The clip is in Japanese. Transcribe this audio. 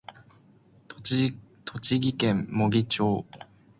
栃木県茂木町